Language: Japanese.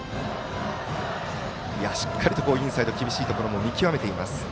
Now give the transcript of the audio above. しっかりとインサイド厳しいところも見極めています。